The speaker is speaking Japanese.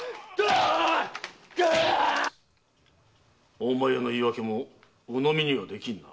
大前屋の言い訳も鵜呑みにはできぬな。